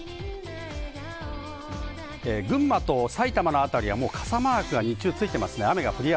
群馬と埼玉の辺りは傘マークが日中ついています。